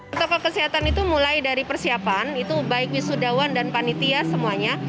protokol kesehatan itu mulai dari persiapan itu baik wisudawan dan panitia semuanya